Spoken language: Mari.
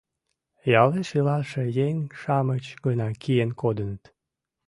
Ялеш илалше еҥ-шамыч гына киен кодыныт.